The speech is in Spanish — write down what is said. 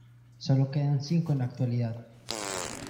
Sólo quedan cinco en la actualidad.